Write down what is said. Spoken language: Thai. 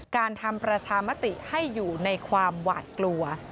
การทำประชามติให้อยู่ในความหวาดกลัว